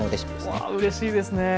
わうれしいですね。